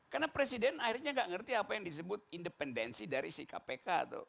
karena presiden akhirnya gak ngerti apa yang disebut independensi dari si kpk tuh